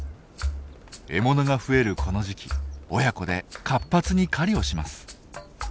獲物が増えるこの時期親子で活発に狩りをします。